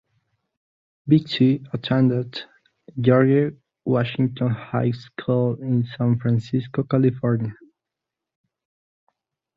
Vixie attended George Washington High School in San Francisco, California.